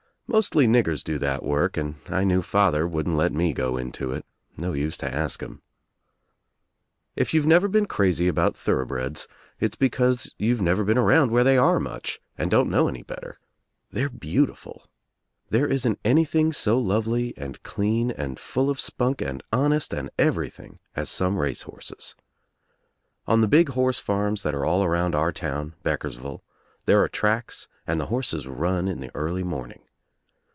Mostly niggers do that work and I knew father wouldn't let me go into it. No use to ask him. If you've never been crazy about thoroughbreds it's I because you've never been around where they are much lO THE TRIUMPH OF THE EGG and don't know any better. They're beautiful. There isn't anything so lovely and clean and full of spunk and honest and everything as some race horses. On the big horse farms that are all around our town Beck ersville there are tracks and the horses run in the early morning.